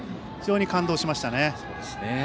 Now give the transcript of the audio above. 非常に感動しましたね。